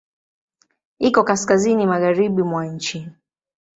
Iko kaskazini magharibi mwa nchi.